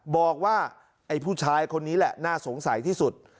บอกว่าไอ้ผู้ชายคนนี้แหละน่าสงสัยที่สุด